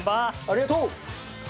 ありがとう！